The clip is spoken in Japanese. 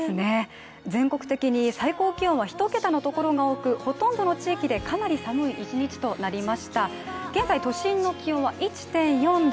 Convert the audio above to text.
全国的に最高気温は１桁のところが多く、ほとんどの地域でかなり寒い一日となりました現在、都心の気温は１．４度。